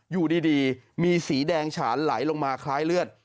อยู่ดีมีสีแดงฉานไหลลงมาคล้ายเลือด